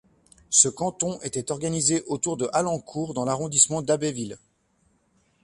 Ce canton était organisé autour de Hallencourt dans l'arrondissement d'Abbeville.